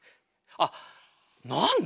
あっなんで？